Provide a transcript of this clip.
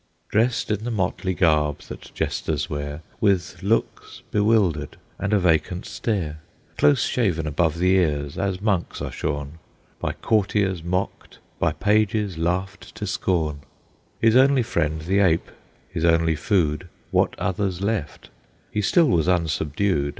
Dressed in the motley garb that Jesters wear, With looks bewildered and a vacant stare, Close shaven above the ears, as monks are shorn, By courtiers mocked, by pages laughed to scorn, His only friend the ape, his only food What others left, he still was unsubdued.